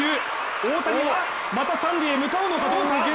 大谷はまた三塁へ向かうのかどうか。